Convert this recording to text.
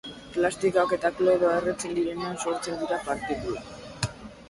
Plastikoak eta kloroa erretzen direnean sortzen dira partikulak.